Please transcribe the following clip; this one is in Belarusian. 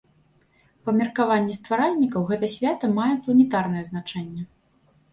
Па меркаванні стваральнікаў, гэта свята мае планетарнае значэнне.